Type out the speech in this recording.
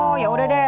oh yaudah deh